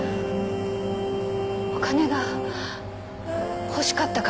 お金が欲しかったから。